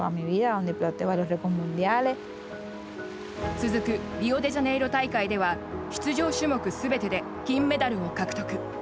続くリオデジャネイロ大会では出場種目すべてで金メダルを獲得。